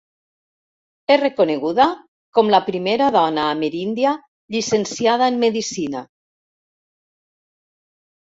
És reconeguda com la primera dona ameríndia llicenciada en medicina.